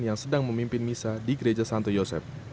yang sedang memimpin misa di gereja santo yosep